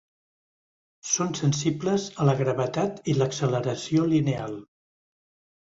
Són sensibles a la gravetat i l'acceleració lineal.